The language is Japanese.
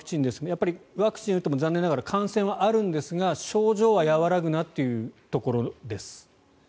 やっぱりワクチンを打っても残念ながら感染はあるんですが、症状は和らぐなというところです。